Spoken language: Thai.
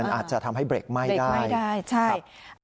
มันอาจจะทำให้เบรกไหม้ได้